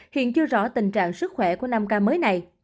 hiện chưa rõ tình trạng sức khỏe của năm ca mới này